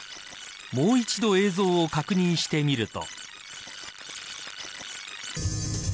もう一度映像を確認してみると。